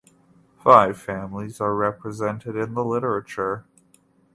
Five families are represented in the literature.